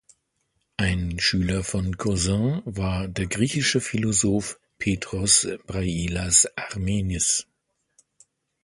Ein Schüler von Cousin war der griechische Philosoph Petros Brailas-Armenis.